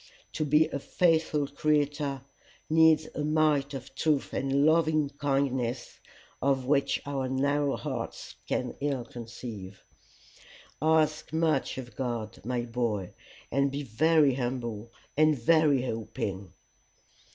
To be a faithful creator needs a might of truth and loving kindness of which our narrow hearts can ill conceive. Ask much of God, my boy, and be very humble and very hoping."